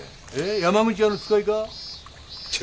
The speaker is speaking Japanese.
山口屋の使いかい？